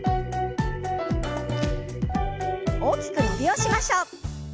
大きく伸びをしましょう。